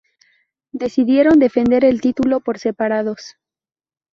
Decidieron defender el título por separados.